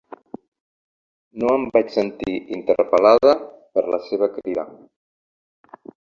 No em vaig sentir interpel·lada per la seva crida.